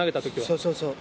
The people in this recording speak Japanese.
そうそうそう。